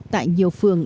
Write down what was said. tại nhiều phường